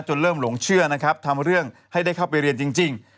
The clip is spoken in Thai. เริ่มหลงเชื่อนะครับทำเรื่องให้ได้เข้าไปเรียนจริง